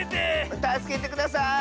たすけてください！